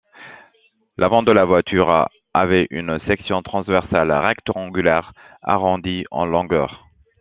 L'avant de la voiture avait une section transversale rectangulaire, arrondie en longueur.